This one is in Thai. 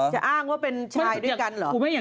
อ้างว่าเป็นชายด้วยกันเหรอ